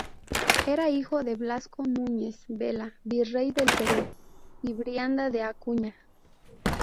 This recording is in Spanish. Era hijo de Blasco Núñez Vela, virrey del Perú, y Brianda de Acuña.